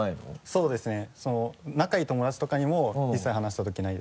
そうですね。